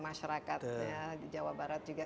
masyarakatnya di jawa barat juga